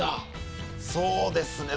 そうですね。